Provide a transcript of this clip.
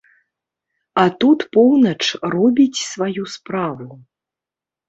А тут поўнач робіць сваю справу.